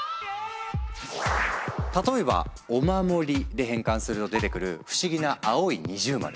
例えば「おまもり」で変換すると出てくる不思議な青い二重丸。